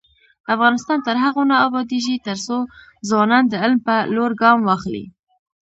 افغانستان تر هغو نه ابادیږي، ترڅو ځوانان د علم په لور ګام واخلي.